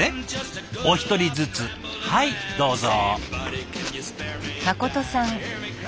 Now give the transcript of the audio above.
お一人ずつはいどうぞ。